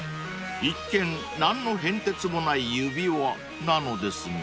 ［一見何の変哲もない指輪なのですが］